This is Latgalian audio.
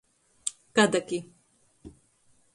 Kadaki.